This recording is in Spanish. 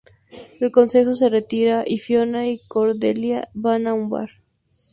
El Consejo se retira, y Fiona y Cordelia van a un bar.